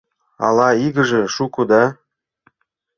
Ала игыже шуко да